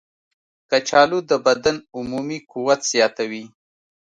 کچالو د بدن عمومي قوت زیاتوي.